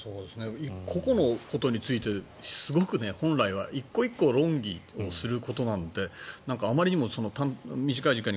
個々のことについてすごく、本来は１個１個、論議をすることなんてあまりにも短い時間に。